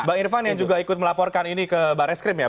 bang irfan yang juga ikut melaporkan ini ke barreskrim ya